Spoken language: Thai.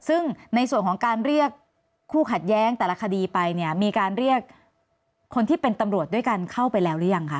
ซึ่งในส่วนของการเรียกคู่ขัดแย้งแต่ละคดีไปเนี่ยมีการเรียกคนที่เป็นตำรวจด้วยกันเข้าไปแล้วหรือยังคะ